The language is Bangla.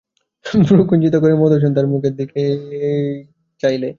ভ্রূকুঞ্চিত করে মধুসূদন তার মুখের দিকে চাইলে।